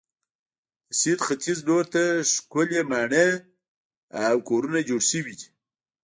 د سیند ختیځ لور ته ښکلې ماڼۍ او کورونه جوړ شوي دي.